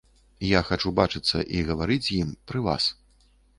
Я хачу бачыцца і гаварыць з ім пры вас.